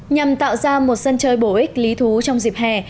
nhằm tạo ra một sân chơi bổ ích lý thú trong dịp hè